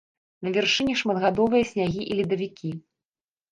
На вяршынях шматгадовыя снягі і ледавікі.